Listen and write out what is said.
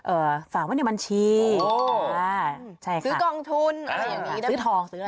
เอ่อฝากไว้ในบัญชีโอ้อ่าใช่ค่ะซื้อกองทุนอะไรอย่างงี้ซื้อทองซื้ออะไร